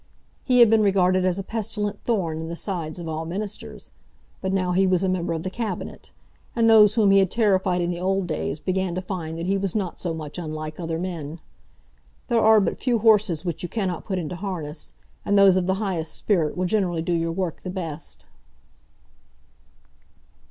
He had been regarded as a pestilent thorn in the sides of all ministers. But now he was a member of the Cabinet, and those whom he had terrified in the old days began to find that he was not so much unlike other men. There are but few horses which you cannot put into harness, and those of the highest spirit will generally do your work the best.